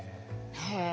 へえ。